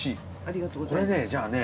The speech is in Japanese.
これねじゃあね